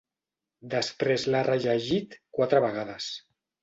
Després l'ha rellegit quatre vegades.